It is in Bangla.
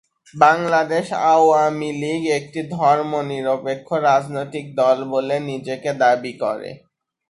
বাংলাদেশ আওয়ামী লীগ একটি ধর্মনিরপেক্ষ রাজনৈতিক দল বলে নিজেকে দাবি করে।